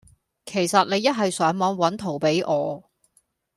其實你一係上網搵圖比我